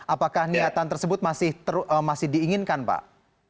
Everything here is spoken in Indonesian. apakah niatan tersebut masih diinginkan pak